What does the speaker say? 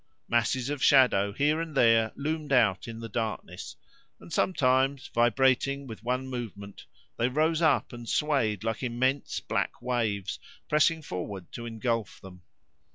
Masses of shadow here and there loomed out in the darkness, and sometimes, vibrating with one movement, they rose up and swayed like immense black waves pressing forward to engulf them.